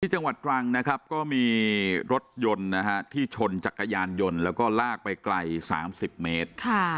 จังหวัดตรังนะครับก็มีรถยนต์นะฮะที่ชนจักรยานยนต์แล้วก็ลากไปไกล๓๐เมตร